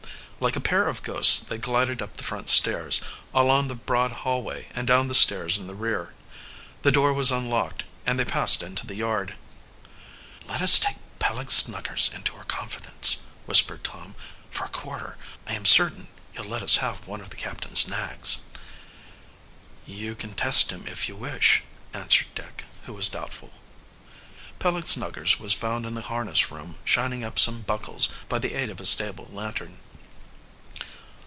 Like a pair of ghosts they glided up the front stairs, along the broad hallway, and down the stairs in the rear. The door was unlocked, and they passed into the yard. "Let us take Peleg Snuggers into our confidence," whispered Tom. "For a quarter I am certain he'll let us have one of the captain's nags." "You can test him if you wish," answered Dick, who was doubtful. Peleg Snuggers was found in the harness room shining up some buckles by the aid of a stable lantern.